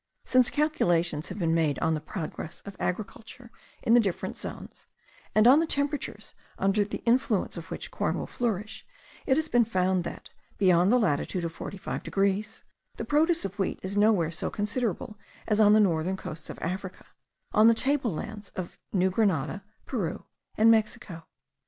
Since calculations have been made on the progress of agriculture in the different zones, and on the temperatures under the influence of which corn will flourish, it has been found that, beyond the latitude of 45 degrees, the produce of wheat is nowhere so considerable as on the northern coasts of Africa, and on the table lands of New Grenada, Peru, and Mexico.